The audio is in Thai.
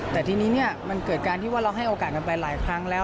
แต่ทีนี้มันเกิดการที่ว่าเราให้โอกาสกันไปหลายครั้งแล้ว